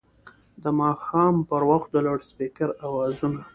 د ماښام پر وخت د لوډسپیکر اوازونه